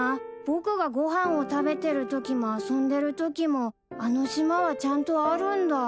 僕がご飯を食べてるときも遊んでるときもあの島はちゃんとあるんだ。